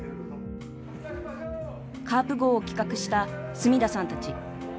カープ号を企画した住田さんたち。